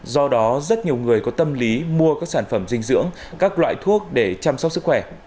do đó rất nhiều người có tâm lý mua các sản phẩm dinh dưỡng các loại thuốc để chăm sóc sức khỏe